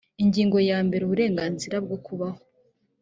ingingo ya mbere uburenganzira bwo kubaho